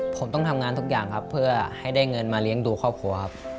ผมต้องทำงานทุกอย่างครับเพื่อให้ได้เงินมาเลี้ยงดูครอบครัวครับ